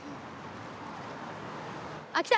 あっ来た！